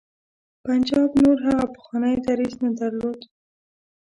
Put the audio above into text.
پنجاب نور هغه پخوانی دریځ نه درلود.